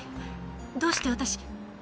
どうして私。